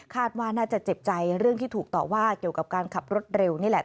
ว่าน่าจะเจ็บใจเรื่องที่ถูกต่อว่าเกี่ยวกับการขับรถเร็วนี่แหละ